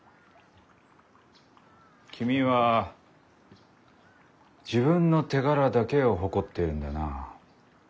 君は自分の手柄だけを誇っているんだな。